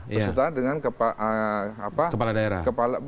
bersama dengan kepala daerah